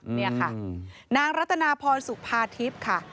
นี่ค่ะนางรัตนาพรสุภาทิพย์ค่ะ